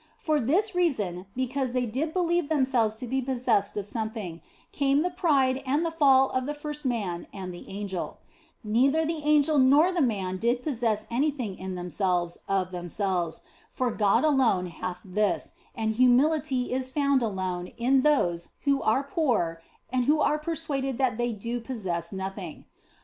For this reason, because they did believe themselves to be possessed of something, came the pride and the fall of the first man and the angel ; neither the angel nor the man did possess anything in themselves of themselves, for God alone hath this, and humility is found alone in those who are poor and who are persuaded that they do possess nothing.